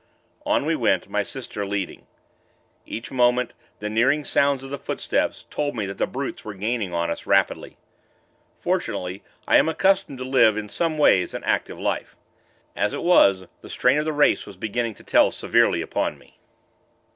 On we went, my sister leading. Each moment, the nearing sounds of the footsteps, told me that the brutes were gaining on us, rapidly. Fortunately, I am accustomed to live, in some ways, an active life. As it was, the strain of the race was beginning to tell severely upon me.